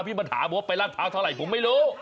พี่มาถามว่าไปราชเผาเท่าไหร่ผมไม่รู้